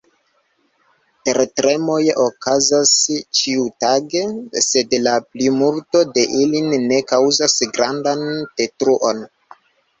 Tertremoj okazas ĉiutage, sed la plimulto de ili ne kaŭzas grandan detruon.